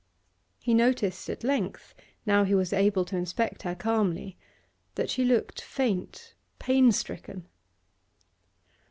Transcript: He noticed at length, now he was able to inspect her calmly, that she looked faint, pain stricken.